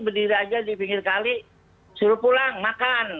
berdiri aja di pinggir kali suruh pulang makan